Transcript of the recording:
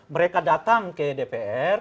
mereka datang ke dpr